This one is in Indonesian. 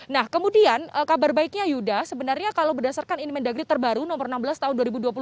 nah kemudian kabar baiknya yuda sebenarnya kalau berdasarkan inmen dagri terbaru nomor enam belas tahun dua ribu dua puluh satu